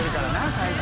最高！